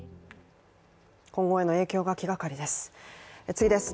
今後への影響が気がかりです。